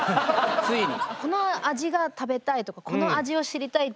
ついに。